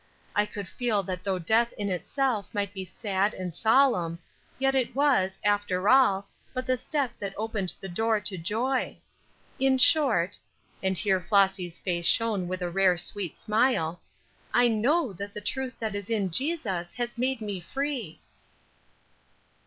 I could feel that though death in itself might be sad and solemn, yet it was, after all, but the step that opened the door to joy. In short" and here Flossy's face shone with a rare sweet smile "I know that the truth as it is in Jesus has made me free."